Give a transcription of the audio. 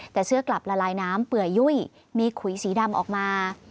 แต่เสื้อกลับละลายน้ำเปื่อยยุ่ยมีขุยสีดำออกมา